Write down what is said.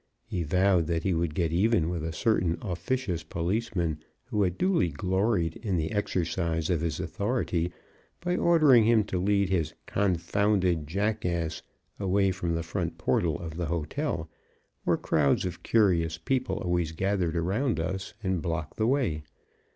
He vowed that he would get even with a certain officious policeman, who had daily gloried in the exercise of his authority, by ordering him to lead his "confounded jackass" away from the front portal of the hotel, where crowds of curious people always gathered around us and blocked the way.